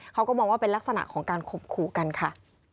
เขาก็มองว่าเป็นลักษณะของการข่มขู่กันค่ะ